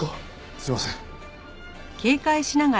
すいません。